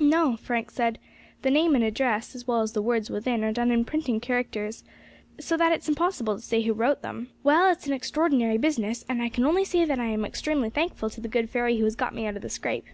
"No," Frank said; "the name and address, as well as the words within, are done in printing characters, so that it is impossible to say who wrote them. Well, it is an extraordinary business, and I can only say that I am extremely thankful to the good fairy who has got me out of the scrape."